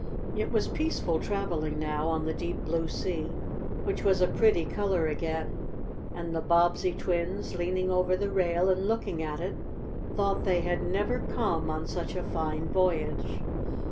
It was peaceful traveling now, on the deep blue sea, which was a pretty color again, and the Bobbsey twins, leaning over the rail and looking at it, thought they had never come on such a fine voyage.